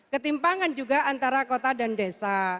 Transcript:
ketimpangan juga antara kota dan desa